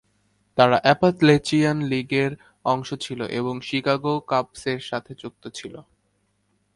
তারা অ্যাপালেচিয়ান লীগের অংশ ছিল এবং শিকাগো কাবসের সাথে যুক্ত ছিল।